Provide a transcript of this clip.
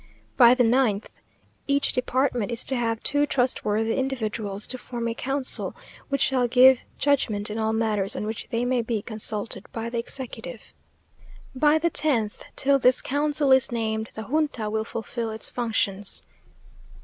By the ninth Each department is to have two trustworthy individuals to form a council, which shall give judgment in all matters on which they may be consulted by the executive. By the tenth Till this council is named, the junta will fulfil its functions.